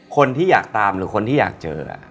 คนที่อยากตามหรือคนที่อยากเจอ